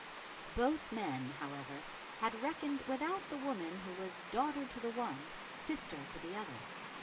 Both men, however, had reckoned without the woman who was daughter to the one, sister to the other.